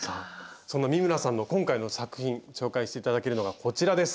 そんなミムラさんの今回の作品紹介して頂けるのがこちらです。